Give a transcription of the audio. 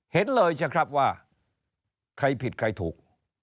เห็นเลยสิครับว่าใครผิดใครถูก